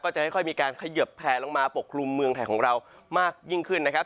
จะค่อยมีการเขยิบแผลลงมาปกคลุมเมืองไทยของเรามากยิ่งขึ้นนะครับ